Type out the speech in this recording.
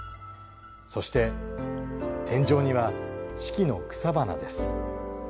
そして、天井には四季の草花です。